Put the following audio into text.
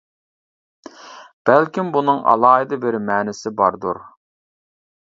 بەلكىم بۇنىڭ ئالاھىدە بىر مەنىسى باردۇر.